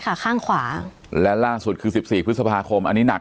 ข้างขวาและล่าสุดคือสิบสี่พฤษภาคมอันนี้หนัก